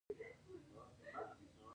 عصري تعلیم مهم دی ځکه چې د وخت مدیریت ښيي.